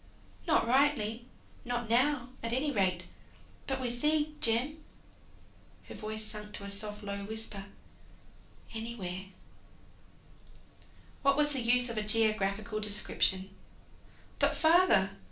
"Not rightly not now, at any rate; but with thee, Jem," her voice sunk to a soft, low whisper, "anywhere " What was the use of a geographical description? "But father!"